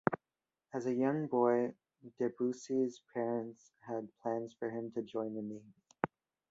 As a young boy, Debussy's parents had plans for him to join the navy.